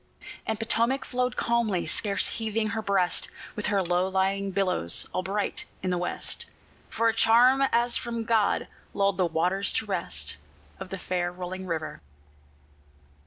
And Potomac flowed calmly, scarce heaving her breast, With her low lying billows all bright in the west, For a charm as from God lulled the waters to rest Of the fair rolling river.